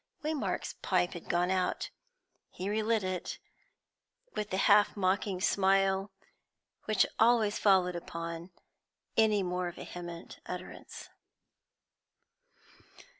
Waymark's pipe had gone out; he re lit it, with the half mocking smile which always followed upon any more vehement utterance.